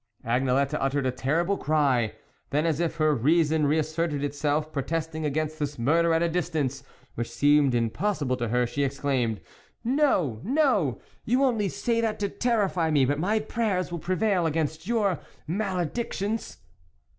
" Agnelette uttered a terrible cry ; then, as if her reason reasserted itself, pro testing against this murder at a distance which seemed impossible to her, she ex claimed :" No, no ; you only say that to terrify me, but my prayers will prevail against your maledictions."